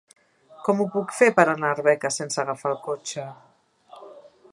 Com ho puc fer per anar a Arbeca sense agafar el cotxe?